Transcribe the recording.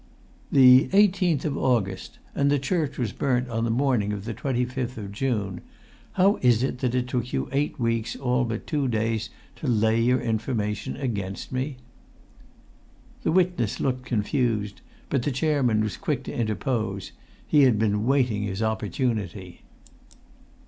"The 18th of August! And the church was burnt on the morning of the 25th of June! How is it that it took you eight weeks all but two days to 'lay your information' against me?" The witness looked confused; but the chairman was quick to interpose; he had been waiting his opportunity.